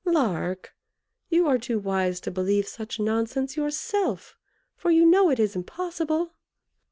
Lark! you are too wise to believe such nonsense yourself, for you know it is impossible."